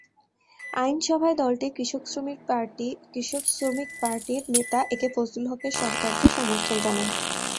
আইনসভায় দলটি কৃষক শ্রমিক পার্টির নেতা একে ফজলুল হকের সরকারকে সমর্থন জানায়।